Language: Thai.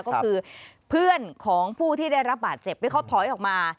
ก็คือเพื่อนของผู้ที่ได้รับบาดเจ็บที่เขาถอยออกมา